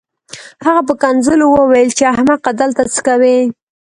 هغه په کنځلو وویل چې احمقه دلته څه کوې